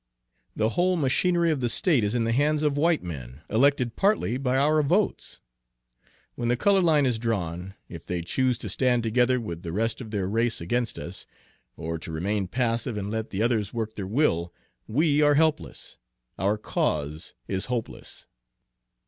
The whole machinery of the state is in the hands of white men, elected partly by our votes. When the color line is drawn, if they choose to stand together with the rest of their race against us, or to remain passive and let the others work their will, we are helpless, our cause is hopeless."